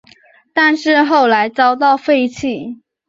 但是后来遭到废弃。